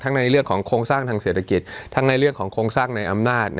ทั้งในเรื่องของโครงสร้างศัตริกิษฐ์ทั้งในเรื่องของโครงสร้างในอำนาจ